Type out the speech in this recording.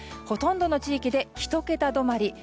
ほとんどの地域で１桁止まり。